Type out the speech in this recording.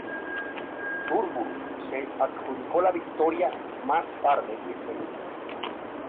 Turnbull se adjudicó la victoria más tarde ese día.